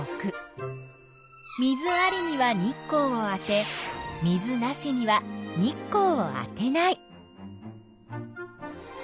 水ありには日光を当て水なしには日光を当てない。